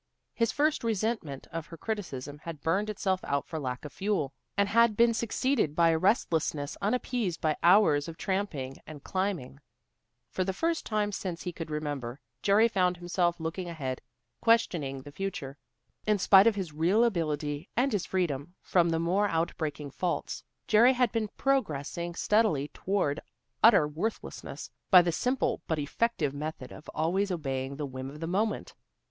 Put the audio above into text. His first resentment of her criticism had burned itself out for lack of fuel, and had been succeeded by a restlessness unappeased by hours of tramping and climbing. For the first time since he could remember, Jerry found himself looking ahead, questioning the future. In spite of his real ability and his freedom from the more outbreaking faults, Jerry had been progressing steadily toward utter worthlessness, by the simple but effective method of always obeying the whim of the moment.